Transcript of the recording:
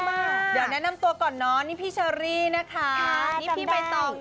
เดี๋ยวแนะนำตัวก่อนเนาะนี่พี่เชอรี่นะคะ